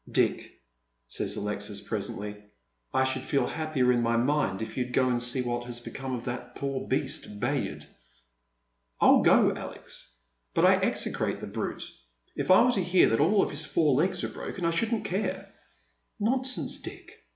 " Dick," says Alexis presently, " I should feel happier in my mind if you'd go and see what has become of that poor beast, Bayard." " 111 go, Alex. But I execrate the brute. If I were to hear that all his four legs were broken I shouldn't care." "Nonsense, Dick!